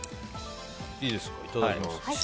いただきます。